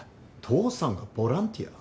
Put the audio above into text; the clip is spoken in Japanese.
父さんがボランティア？